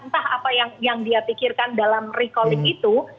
entah apa yang dia pikirkan dalam recalling itu